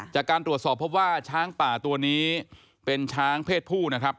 จากการตรวจสอบพบว่าช้างป่าตัวนี้เป็นช้างเพศผู้นะครับ